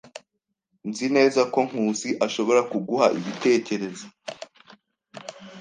Nzi neza ko Nkusi ashobora kuguha ibitekerezo.